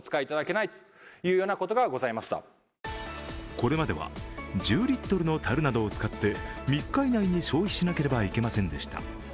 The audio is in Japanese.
これまでは、１０リットルのたるなどを使って３日以内に消費しなければいけませんでした。